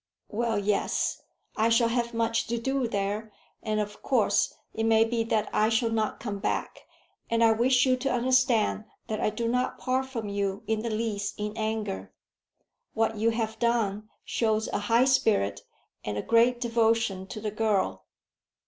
"Well, yes; I shall have much to do there, and of course it may be that I shall not come back, and I wish you to understand that I do not part from you in the least in anger. What you have done shows a high spirit, and great devotion to the girl."